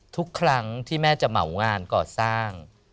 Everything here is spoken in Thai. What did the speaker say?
ทุกครั้งที่แม่จะเหมางานก่อสร้าง